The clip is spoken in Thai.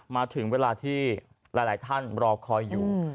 มาถึงเวลาที่หลายท่านรอคอยอยู่